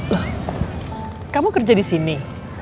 loh kamu kerja disini